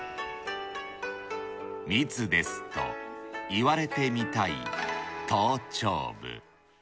密ですと言われてみたい頭頂部。